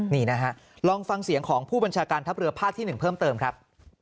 นี่นะฮะลองฟังเสียงของผู้บัญชาการทัพเรือภาคที่๑เพิ่มเติมครับ